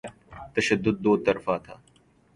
تشدد دوطرفہ تھا۔